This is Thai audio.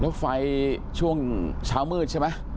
แล้วไฟช่วงเช้ามืดใช่ไหม